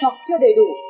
hoặc chưa đầy đủ